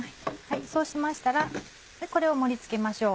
そうしましたらこれを盛り付けましょう。